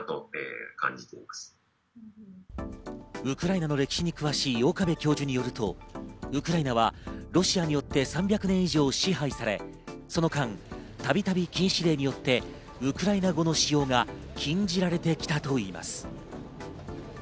ウクライナの歴史に詳しい岡部教授によると、ウクライナはロシアによって３００年以上支配され、その間、たびたび禁止令によってウクライナ語の使用が禁じられてきたといいます。